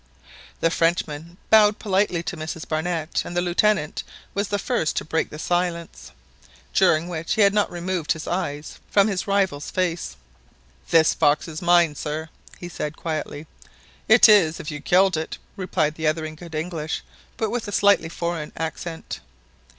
The Frenchman bowed politely to Mrs Barnett, and the Lieutenant was the first to break the silence, during which he had not removed his eyes from his rival's face. "This fox is mine, sir," he said quietly. "It is if you killed it !" replied the other in good English, but with a slightly foreign accent.